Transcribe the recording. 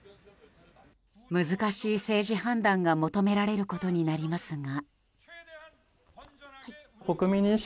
難しい政治判断が求められることになりますが。